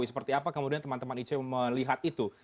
seperti apa kemudian teman teman icw melihat itu